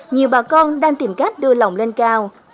nhiều bà con đang tìm cách đưa lòng lên cao